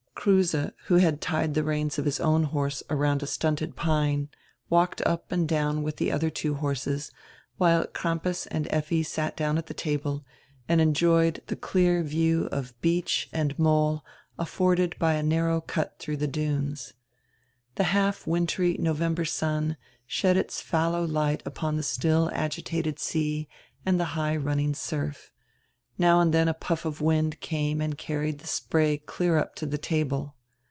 Kruse, who had tied tire reins of his own horse around a stunted pine, walked up and down with the other two horses, while Cranrpas and Effi sat down at the table and enjoyed tire clear view of beach and nrole afforded by a narrow cut through the dunes. The half wintery November sun shed its fallow light upon the still agitated sea and the high running surf. Now and then a puff of wind came and carried the spray clear up to die table.